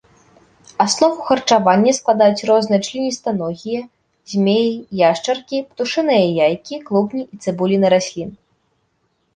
Аснову харчавання складаюць розныя членістаногія, змеі, яшчаркі, птушыныя яйкі, клубні і цыбуліны раслін.